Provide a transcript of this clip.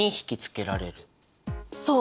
そう。